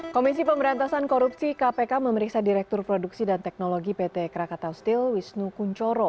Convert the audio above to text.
komisi pemberantasan korupsi kpk memeriksa direktur produksi dan teknologi pt krakatau steel wisnu kunchoro